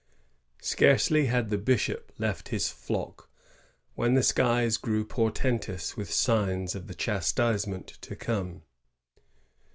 Scarcely had the bishop left his flock when the skies grew portentous with signs of the chastisement to come.